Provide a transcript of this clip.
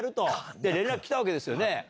で連絡来たわけですよね。